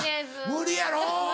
無理やろう。